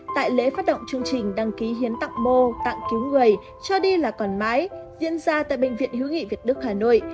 tại lễ phát động chương trình đăng ký hiến tặng mô tặng cứu người cho đi là còn mãi diễn ra tại bệnh viện hữu nghị việt đức hà nội